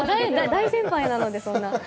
大先輩なので、そんな。